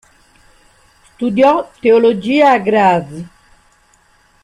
Studiò teologia a Graz.